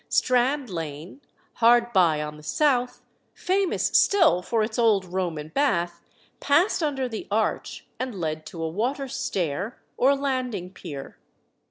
Strand Lane, hard by on the south, famous still for its old Roman bath, passed under the arch, and led to a water stair or landing pier.